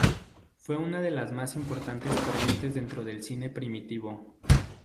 Fue una de las más importantes corrientes dentro del cine primitivo.